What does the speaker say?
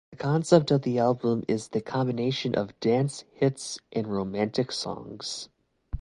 The concept of the album is the combination of dance hits and romantic songs.